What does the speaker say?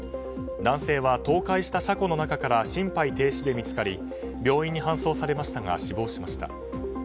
男性は倒壊した車庫の中から心肺停止で見つかり病院に搬送されましたが死亡しました。